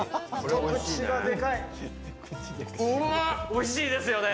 おいしいですよね。